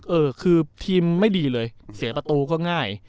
เออคือทีมไม่ดีเลยเสียประตูก็ง่าย